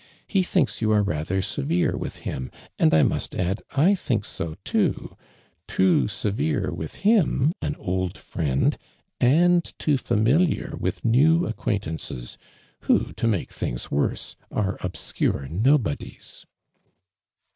lie thinks you are rather severe with him, and 1 must add, 1 think so, too ! Too severe with him, an old friend ; and too familiar with new acquaintances, who, to make things worse, are obsciu'e nobodies."